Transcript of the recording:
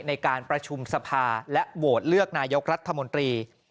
ในการประชุมสภาและโหวตเลือกนายกรัฐมนตรี